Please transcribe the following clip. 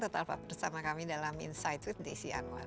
tetap bersama kami dalam insight with desi anwar